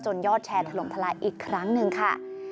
ยอดแชร์ถล่มทลายอีกครั้งหนึ่งค่ะ